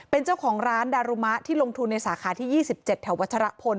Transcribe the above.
เป็นเจ้าของร้านดารุมะที่ลงทุนในสาขาที่๒๗แถววัชรพล